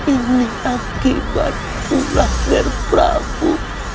ini akibat pula nger prabu